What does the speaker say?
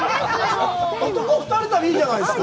男二人旅、いいじゃないですか。